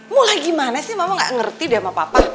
mula gimana sih mama gak ngerti deh sama papa